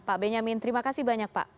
pak benyamin terima kasih banyak pak